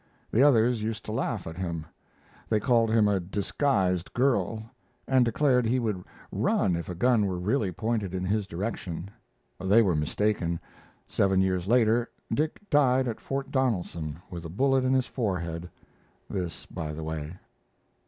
The others used to laugh at him. They called him a disguised girl, and declared he would run if a gun were really pointed in his direction. They were mistaken; seven years later Dick died at Fort Donelson with a bullet in his forehead: this, by the way.